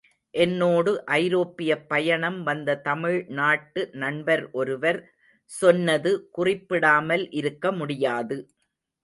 என்னோடு ஐரோப்பியப் பயணம் வந்த தமிழ் நாட்டு நண்பர் ஒருவர் சொன்னது குறிப்பிடாமல் இருக்க முடியாது.